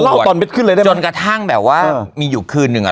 ตอนเด็ดขึ้นเลยได้ไหมจนกระทั่งแบบว่ามีอยู่คืนนึงอ่ะ